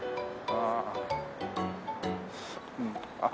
ああ。